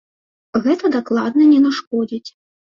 Гэта дакладна не нашкодзіць.